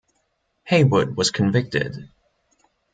Heywood was convicted.